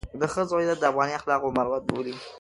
د ښځو عزت د افغاني اخلاقو مروت بولي.